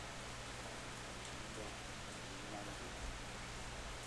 Mut linyandi.